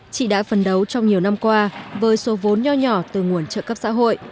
chị đã phần đấu trong nhiều năm qua với số vốn nhỏ nhỏ từ nguồn trợ cấp xã hội